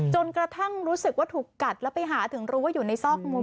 จนกระทั่งรู้สึกว่าถูกกัดแล้วไปหาถึงรู้ว่าอยู่ในซอกมุน